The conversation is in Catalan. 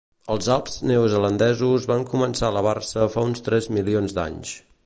Els Alps Neozelandesos van començar a elevar-se fa uns tres milions d'anys.